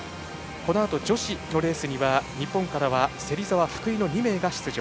このあと女子のレースには日本からは芹澤、福井の２名が出場。